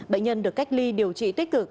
bệnh nhân được cách ly điều trị tích cực